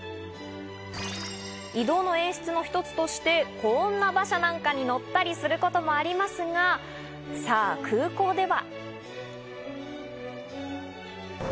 移動の演出の一つとしてこんな馬車なんかに乗ったりすることもありますが、さぁ空港では。